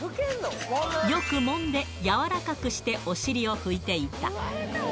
よくもんで柔らかくしてお尻を拭いていた。